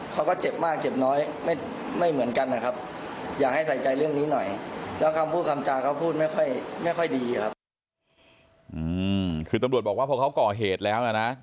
คือตำรวจบอกว่าพอเขาก่อเหตุแล้วนะ